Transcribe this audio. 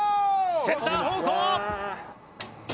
センター方向！